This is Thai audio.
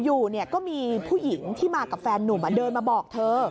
อยู่ก็มีผู้หญิงที่มากับแฟนนุ่มเดินมาบอกเธอ